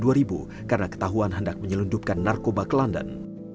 dia difonis mati pada tahun dua ribu karena ketahuan hendak menyelundupkan narkoba ke london